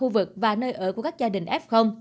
vực và nơi ở của các gia đình f